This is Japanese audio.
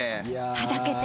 はだけて。